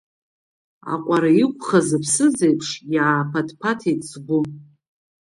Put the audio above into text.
Аҟәара иқәхаз аԥсыӡ еиԥш, иааԥаҭ-ԥаҭеит сгәы.